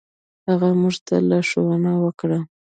هغه موږ ته لارښوونه وکړه.